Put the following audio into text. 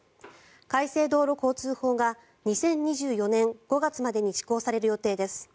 改正道路交通法が２０２４年５月までに施行される予定です。